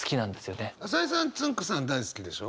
朝井さんつんく♂さん大好きでしょ？